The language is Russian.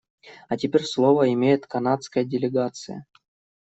А теперь слово имеет канадская делегация.